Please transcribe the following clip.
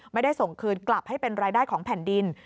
ไม่ได้ส่งคืนกลับให้เป็นรายได้ของแผ่นดิน